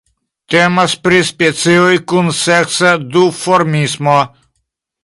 Temas pri specioj kun seksa duformismo.